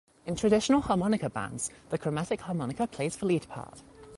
In traditional harmonica bands, the chromatic harmonica plays the lead part.